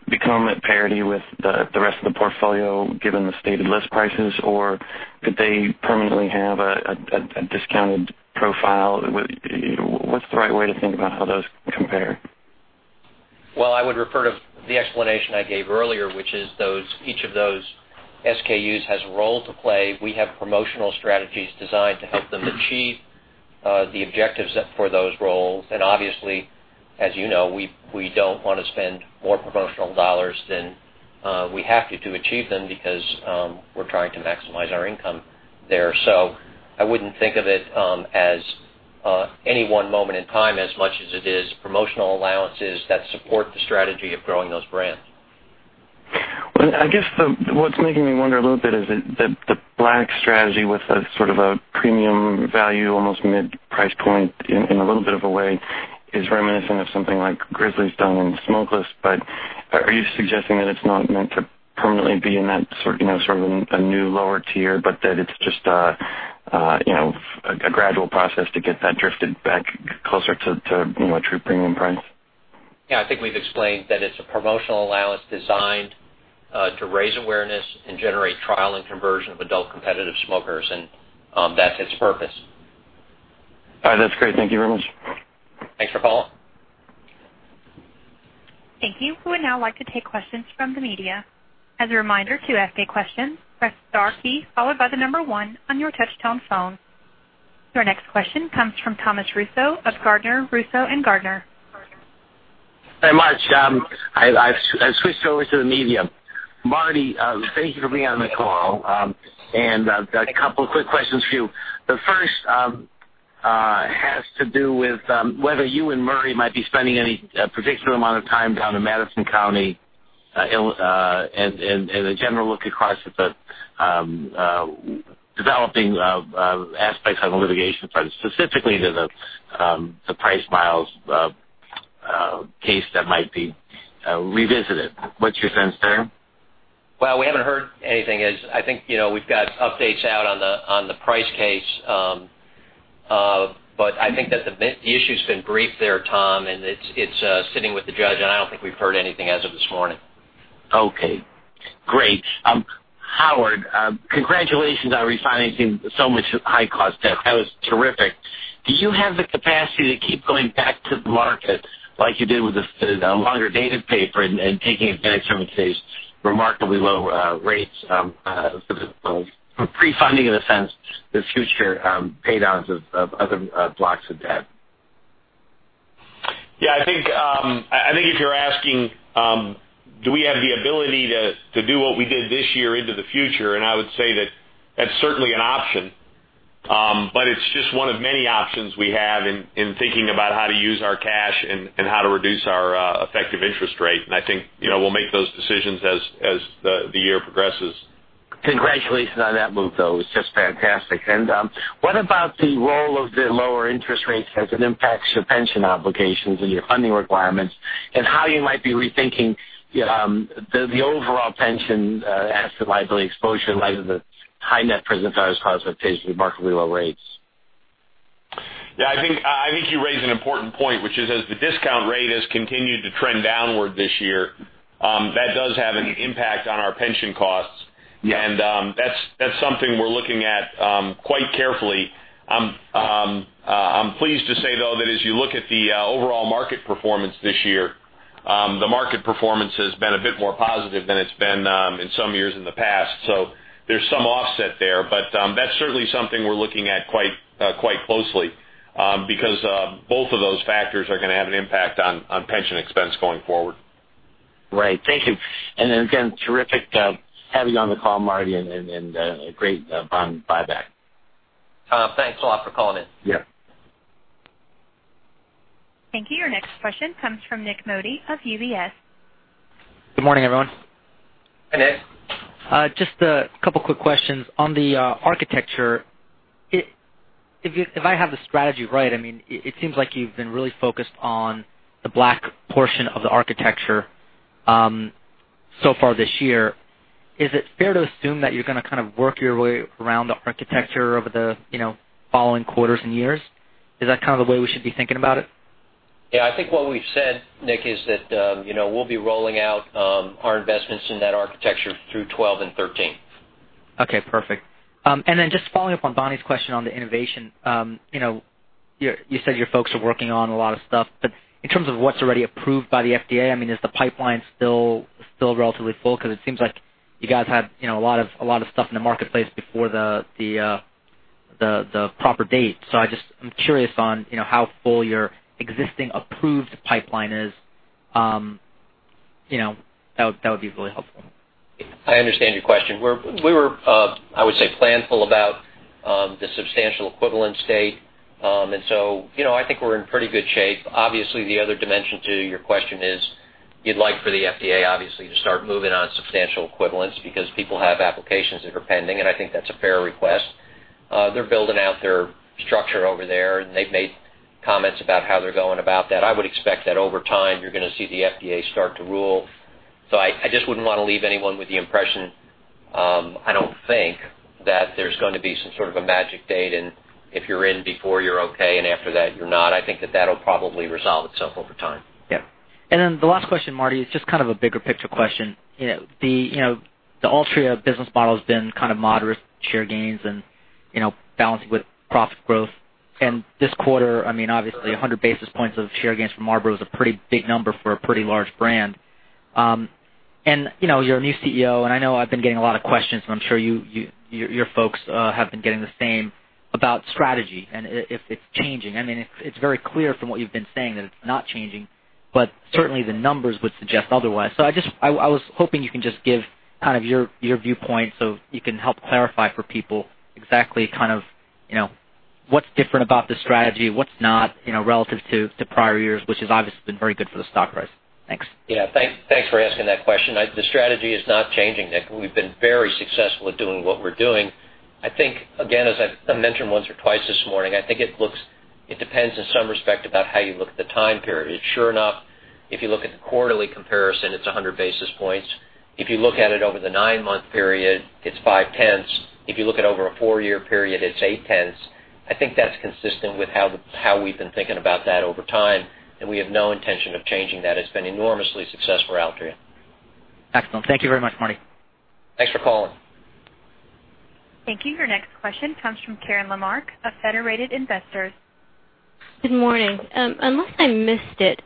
become at parity with the rest of the portfolio, given the stated list prices? Or could they permanently have a discounted profile? What's the right way to think about how those compare? Well, I would refer to the explanation I gave earlier, which is each of those SKUs has a role to play. We have promotional strategies designed to help them achieve the objectives for those roles. Obviously, as you know, we don't want to spend more promotional dollars than we have to achieve them because we're trying to maximize our income there. I wouldn't think of it as any one moment in time, as much as it is promotional allowances that support the strategy of growing those brands. Well, I guess what's making me wonder a little bit is that the Black strategy with a sort of a premium value, almost mid price point in a little bit of a way, is reminiscent of something like Grizzly's done in Smokeless. Are you suggesting that it's not meant to permanently be in that sort of a new lower tier, but that it's just a gradual process to get that drifted back closer to a true premium price? Yeah, I think we've explained that it's a promotional allowance designed to raise awareness and generate trial and conversion of adult competitive smokers, and that's its purpose. All right. That's great. Thank you very much. Thanks for calling. Thank you. We would now like to take questions from the media. As a reminder, to ask a question, press star key followed by the number one on your touchtone phone. Your next question comes from Thomas Russo of Gardner Russo & Gardner. Very much. I've switched over to the media. Marty, thank you for being on the call. A couple of quick questions for you. The first has to do with whether you and Murray might be spending any particular amount of time down in Madison County, and a general look across at the developing aspects on the litigation front, specifically to the Price v. Philip Morris case that might be revisited. What's your sense there? Well, we haven't heard anything. I think we've got updates out on the Price case. I think that the issue's been briefed there, Tom, it's sitting with the judge, I don't think we've heard anything as of this morning. Okay, great. Howard, congratulations on refinancing so much high cost debt. That was terrific. Do you have the capacity to keep going back to the market like you did with the longer dated paper and taking advantage of these remarkably low rates for pre-funding in a sense, the future pay downs of other blocks of debt? Yeah. I think if you're asking, do we have the ability to do what we did this year into the future, I would say that that's certainly an option. It's just one of many options we have in thinking about how to use our cash and how to reduce our effective interest rate. I think we'll make those decisions as the year progresses. Congratulations on that move, though. It's just fantastic. What about the role of the lower interest rates as it impacts your pension obligations and your funding requirements and how you might be rethinking the overall pension asset liability exposure in light of the high net present value expectations with remarkably low rates? Yeah, I think you raise an important point, which is as the discount rate has continued to trend downward this year, that does have an impact on our pension costs. Yeah. That's something we're looking at quite carefully. I'm pleased to say, though, that as you look at the overall market performance this year, the market performance has been a bit more positive than it's been in some years in the past. There's some offset there. That's certainly something we're looking at quite closely, because both of those factors are going to have an impact on pension expense going forward. Right. Thank you. Again, terrific to have you on the call, Marty, and great bond buyback. Tom, thanks a lot for calling in. Yeah. Thank you. Your next question comes from Nik Modi of UBS. Good morning, everyone. Hi, Nik. Just a couple quick questions. On the architecture, if I have the strategy right, it seems like you've been really focused on the Black portion of the architecture so far this year. Is it fair to assume that you're going to kind of work your way around the architecture over the following quarters and years? Is that kind of the way we should be thinking about it? Yeah, I think what we've said, Nik, is that we'll be rolling out our investments in that architecture through 2012 and 2013. Okay, perfect. Then just following up on Bonnie's question on the innovation. You said your folks are working on a lot of stuff, but in terms of what's already approved by the FDA, is the pipeline still relatively full? It seems like you guys had a lot of stuff in the marketplace before the proper date. I'm curious on how full your existing approved pipeline is. That would be really helpful. I understand your question. We were, I would say, planful about the Substantial Equivalence date. So I think we're in pretty good shape. Obviously, the other dimension to your question is you'd like for the FDA, obviously, to start moving on substantial equivalents because people have applications that are pending, and I think that's a fair request. They're building out their structure over there, and they've made comments about how they're going about that. I would expect that over time you're going to see the FDA start to rule. I just wouldn't want to leave anyone with the impression, I don't think that there's going to be some sort of a magic date, and if you're in before you're okay, and after that, you're not. I think that will probably resolve itself over time. Yeah. Then the last question, Marty, is just a bigger picture question. The Altria business model has been moderate share gains and balancing with profit growth. This quarter, obviously, 100 basis points of share gains from Marlboro is a pretty big number for a pretty large brand. You're a new CEO, and I know I've been getting a lot of questions, and I'm sure your folks have been getting the same about strategy and if it's changing. It's very clear from what you've been saying that it's not changing, but certainly the numbers would suggest otherwise. I was hoping you can just give your viewpoint so you can help clarify for people exactly what's different about this strategy, what's not, relative to prior years, which has obviously been very good for the stock price. Thanks. Yeah. Thanks for asking that question. The strategy is not changing, Nik. We've been very successful at doing what we're doing. I think, again, as I mentioned once or twice this morning, I think it depends in some respect about how you look at the time period. Sure enough, if you look at the quarterly comparison, it's 100 basis points. If you look at it over the nine-month period, it's five-tenths. If you look at over a four-year period, it's eight-tenths. I think that's consistent with how we've been thinking about that over time, and we have no intention of changing that. It's been enormously successful for Altria. Excellent. Thank you very much, Marty. Thanks for calling. Thank you. Your next question comes from Karen Lamarck of Federated Investors. Good morning. Unless I missed it,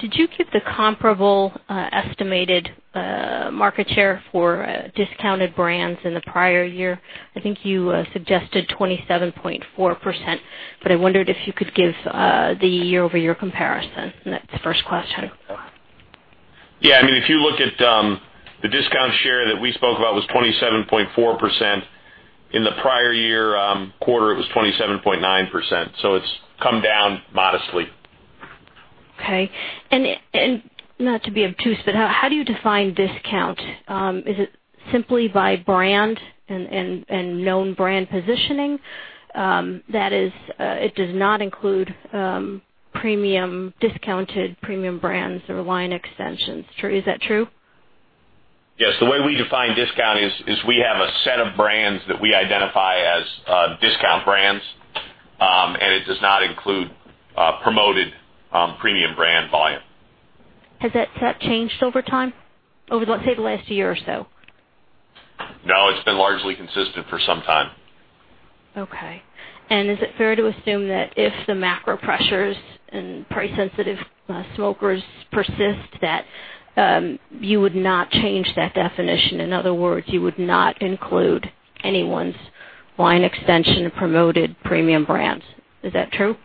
did you keep the comparable estimated market share for discounted brands in the prior year? I think you suggested 27.4%, but I wondered if you could give the year-over-year comparison. That's the first question. Yeah. If you look at the discount share that we spoke about was 27.4%. In the prior year quarter, it was 27.9%, so it's come down modestly. Okay. Not to be obtuse, but how do you define discount? Is it simply by brand and known brand positioning? That is, it does not include discounted premium brands or line extensions. Is that true? Yes. The way we define discount is we have a set of brands that we identify as discount brands, and it does not include promoted premium brand volume. Has that changed over time? Over, let's say, the last year or so? No, it's been largely consistent for some time. Okay. Is it fair to assume that if the macro pressures and price-sensitive smokers persist, that you would not change that definition? In other words, you would not include anyone's line extension or promoted premium brands. Is that true?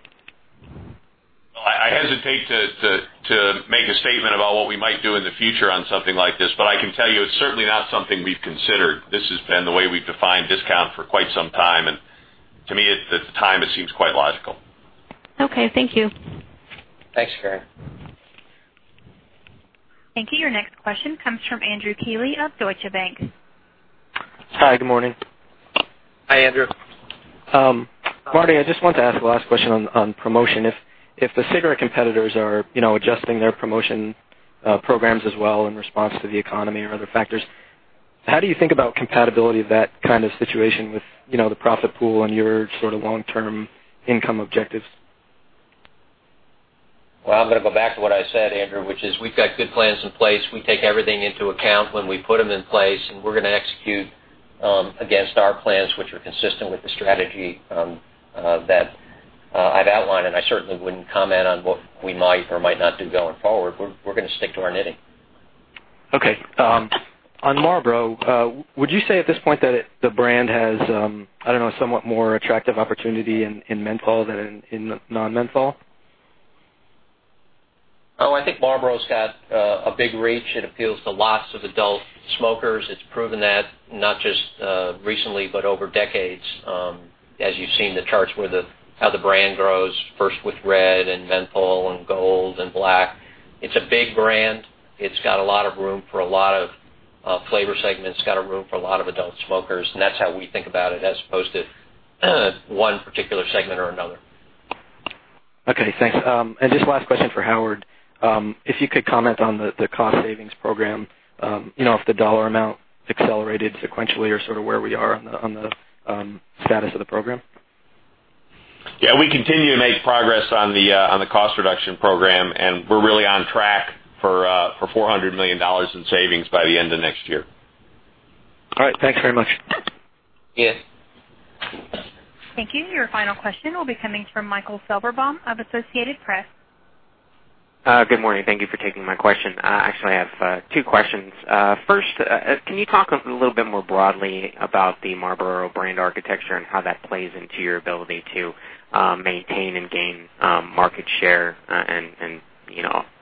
I hesitate to make a statement about what we might do in the future on something like this. I can tell you, it's certainly not something we've considered. This has been the way we've defined discount for quite some time, to me, at the time, it seems quite logical. Okay. Thank you. Thanks, Karen. Thank you. Your next question comes from Andrew Keeley of Deutsche Bank. Hi, good morning. Hi, Andrew. Marty, I just wanted to ask the last question on promotion. If the cigarette competitors are adjusting their promotion programs as well in response to the economy or other factors, how do you think about compatibility of that kind of situation with the profit pool and your long-term income objectives? Well, I'm going to go back to what I said, Andrew, which is we've got good plans in place. We take everything into account when we put them in place, and we're going to execute against our plans, which are consistent with the strategy that I've outlined, and I certainly wouldn't comment on what we might or might not do going forward. We're going to stick to our knitting. Okay. On Marlboro, would you say at this point that the brand has a somewhat more attractive opportunity in menthol than in non-menthol? I think Marlboro's got a big reach. It appeals to lots of adult smokers. It's proven that not just recently, but over decades, as you've seen the charts how the brand grows, first with Red and menthol and Gold and Black. It's a big brand. It's got a lot of room for a lot of flavor segments. It's got a room for a lot of adult smokers, and that's how we think about it, as opposed to one particular segment or another. Okay, thanks. Just last question for Howard. If you could comment on the cost savings program, if the U.S. dollar amount accelerated sequentially or where we are on the status of the program. We continue to make progress on the cost reduction program, we're really on track for $400 million in savings by the end of next year. All right. Thanks very much. Yes. Thank you. Your final question will be coming from Michael Felberbaum of Associated Press. Good morning. Thank you for taking my question. I actually have two questions. First, can you talk a little bit more broadly about the Marlboro brand architecture and how that plays into your ability to maintain and gain market share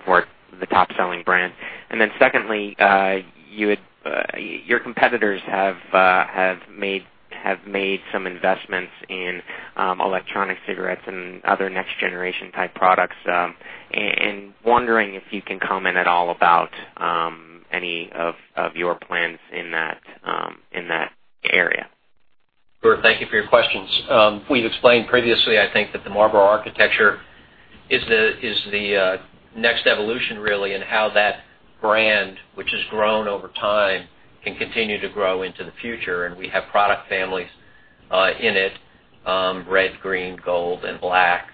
for the top-selling brand? Secondly, your competitors have made some investments in electronic cigarettes and other next generation type products. Wondering if you can comment at all about any of your plans in that area. Sure. Thank you for your questions. We've explained previously, I think, that the Marlboro architecture is the next evolution, really, in how that brand, which has grown over time, can continue to grow into the future. We have product families in it, red, green, gold, and black.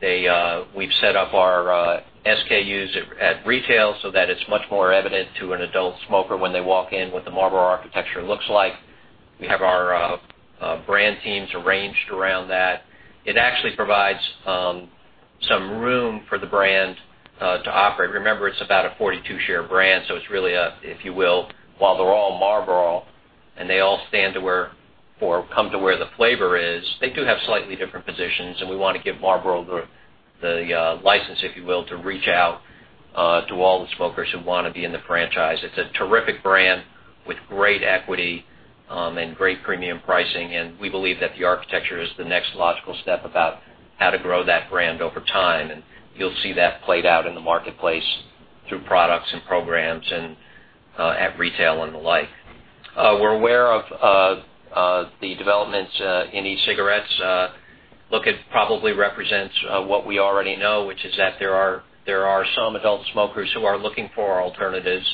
We've set up our SKUs at retail so that it's much more evident to an adult smoker when they walk in what the Marlboro architecture looks like. We have our brand teams arranged around that. It actually provides some room for the brand to operate. Remember, it's about a 42% share brand. It's really a, if you will, while they're all Marlboro and they all stand to where or come to where the flavor is, they do have slightly different positions, and we want to give Marlboro the license, if you will, to reach out to all the smokers who want to be in the franchise. It's a terrific brand with great equity and great premium pricing, and we believe that the architecture is the next logical step about how to grow that brand over time. You'll see that played out in the marketplace through products and programs and at retail and the like. We're aware of the developments in e-cigarettes. Look, it probably represents what we already know, which is that there are some adult smokers who are looking for alternatives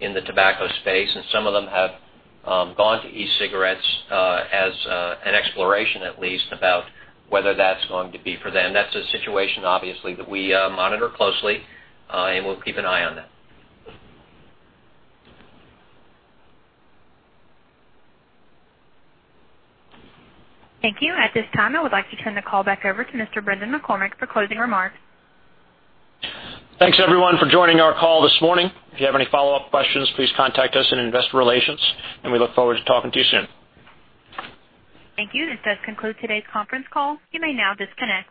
in the tobacco space, and some of them have gone to e-cigarettes as an exploration, at least, about whether that's going to be for them. That's a situation, obviously, that we monitor closely, and we'll keep an eye on that. Thank you. At this time, I would like to turn the call back over to Mr. Brendan McCormick for closing remarks. Thanks, everyone, for joining our call this morning. If you have any follow-up questions, please contact us in investor relations, we look forward to talking to you soon. Thank you. This does conclude today's conference call. You may now disconnect.